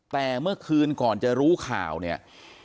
แต่เมื่อคืนก่อนจะรู้ข่าวเนี่ย